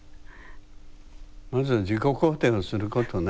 まず自己肯定をすることね。